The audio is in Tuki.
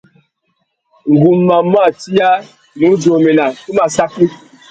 Ngu má mù atiya, nnú djômena, tu má saki.